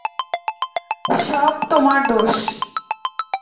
সব তোমার দোষ।